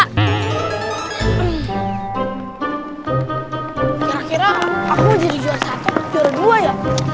kira kira aku jadi juara satu juara dua ya